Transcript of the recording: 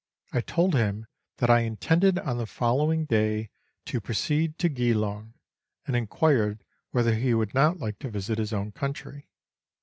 I told him that I intended on the following day to proceed to Geelong, and inquired whether he would not like to visit his own country.